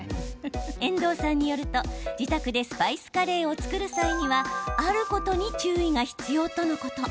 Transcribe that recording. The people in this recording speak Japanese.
遠藤さんによると、自宅でスパイスカレーを作る際にはあることに注意が必要とのこと。